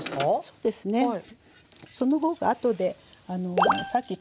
そうですねはい。